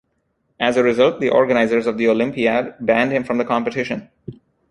As a result, the organizers of the Olympiad banned him from the competition.